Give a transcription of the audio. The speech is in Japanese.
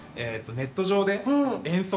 ネット上で遠足？